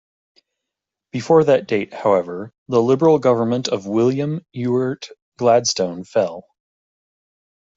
Before that date, however, the Liberal Government of William Ewart Gladstone fell.